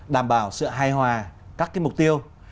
đảm bảo sự hài hòa các cái mục tiêu